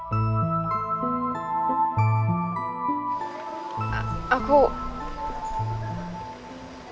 aku harus melakukan sesuatu